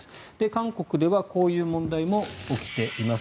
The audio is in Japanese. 韓国ではこういう問題も起きています。